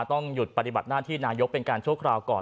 ต้องหยุดปฏิบัติหน้าที่นายกเป็นการชั่วคราวก่อน